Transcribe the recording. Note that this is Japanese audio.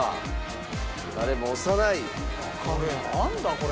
これ。